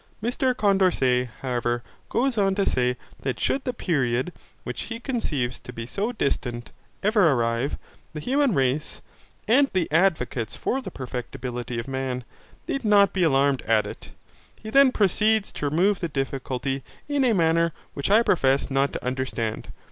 Mr Condorcet, however, goes on to say that should the period, which he conceives to be so distant, ever arrive, the human race, and the advocates for the perfectibility of man, need not be alarmed at it. He then proceeds to remove the difficulty in a manner which I profess not to understand.